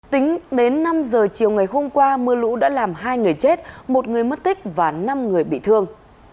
tính đến năm giờ chiều ngày hôm qua mưa lũ đã làm hai người chết một người mất tích và năm người bị thương